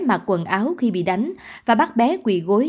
mặc quần áo khi bị đánh và bắt bé quỳ gối